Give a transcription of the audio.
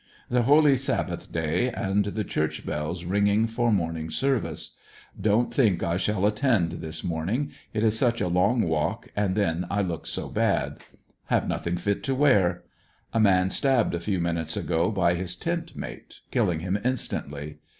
They Holy Sabbath day and the church bells ringing for morning service. Don't think I shall at tend this morning; it is such a long walk and then I look so bad; have nothing fit to wear. A man stabbed a few minutes ago by his tent mate, killing him instantly.